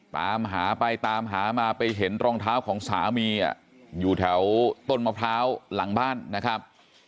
ตามหาไปตามหามาไปเห็นรองเท้าของสามีอยู่แถวต้นมะพร้าวหลังบ้านนะครับ